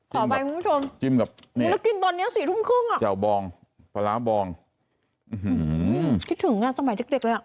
ขอบายพี่ผู้ชมจิ้มกับนี่แล้วกินตอนนี้๔ทุ่มครึ่งอะจ๋วบองปลาร้าบองอื้อหือคิดถึงอะสมัยเด็กเลยอะ